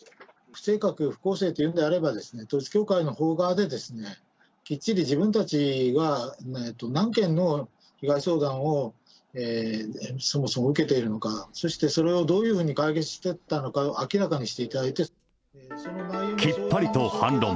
不正確、不公正というんであれば、統一教会のほう側で、きっちり自分たちは何件の被害相談をそもそも受けているのか、そしてそれをどういうふうに解決していったのかを明らかにしていたきっぱりと反論。